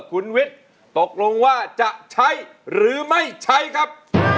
คุณวิทย์ตกลงว่าจะใช้หรือไม่ใช้ครับ